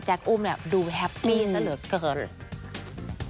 แจ็คอุ้มดูแฮปปี้สะเหลือเกิน